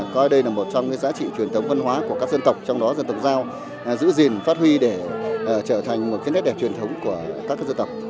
coi đây là một trong giá trị truyền thống văn hóa của các dân tộc trong đó dân tộc giao giữ gìn phát huy để trở thành một nét đẹp truyền thống của các dân tộc